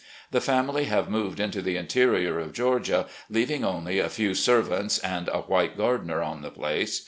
The family have moved into the interior of Georgia, leaving only a few servants and a white gardener on the place.